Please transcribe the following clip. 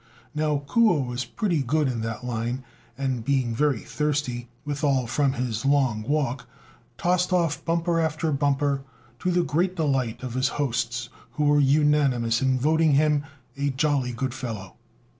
Now, Kuo was pretty good in that line, and being very thirsty withal from his long walk, tossed off bumper after bumper, to the great delight of his hosts, who were unanimous in voting him a jolly good fellow.